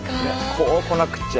こうこなくっちゃ。